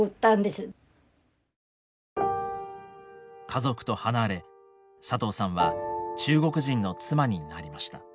家族と離れ佐藤さんは中国人の妻になりました。